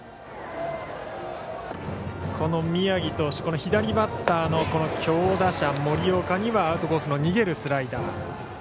宮城投手左バッターの強打者、森岡にはアウトコースの逃げるスライダー。